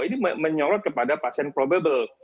ini menyorot kepada pasien probable